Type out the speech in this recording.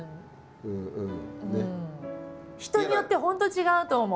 人によって本当違うと思う。